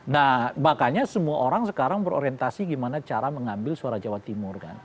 nah makanya semua orang sekarang berorientasi gimana cara mengambil suara jawa timur kan